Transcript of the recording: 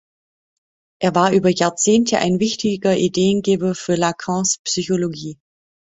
Er war über Jahrzehnte ein wichtiger Ideengeber für Lacans Psychologie.